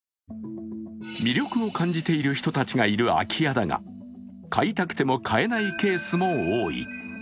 魅力を感じている人たちがいる空き家だが買いたくても買えないケースも多い。